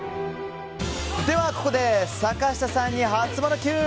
ここで、坂下さんにハツモノＱ。